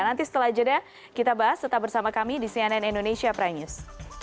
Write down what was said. nanti setelah jeda kita bahas tetap bersama kami di cnn indonesia prime news